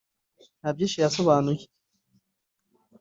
nta byinshi yasobanuye